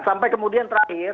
sampai kemudian terakhir